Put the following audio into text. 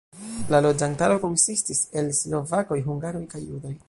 La loĝantaro konsistis el slovakoj, hungaroj kaj judoj.